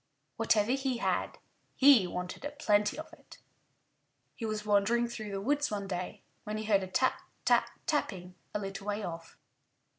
Whatever he had, he wanted a plenty of it. He was wandering through the woods one day when he heard a tap, tap, tapping a little way off.